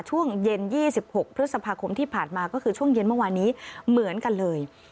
ช่วงเย็น๒๖พฤษภาคมที่ผ่านมาก็คือช่วงเย็นเมื่อวานนี้เหมือนกันเลย